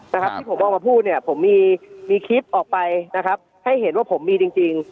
นะครับที่ผมออกมาพูดเนี่ยผมมีมีคลิปออกไปนะครับให้เห็นว่าผมมีจริงจริง